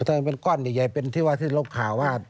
แต่เป็นก้อนใหญ่เป็นที่ว่าที่เราข่าวว่า